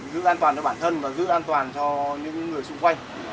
giữ an toàn cho bản thân và giữ an toàn cho những người xung quanh